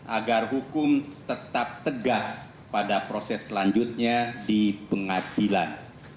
agar hukum tetap tegak pada proses selanjutnya di pengadilan